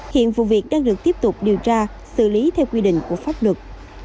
hiện vụ việc đang được tiếp tục điều tra xử lý theo quy định của pháp luật